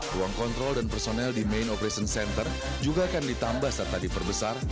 ruang kontrol dan personel di main operation center juga akan ditambah serta diperbesar